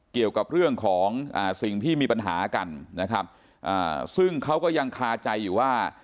เกี่ยวกับเรื่องของสิ่งที่มีปัญหากันนะครับซึ่งเขาก็ยังคาใจอยู่ว่า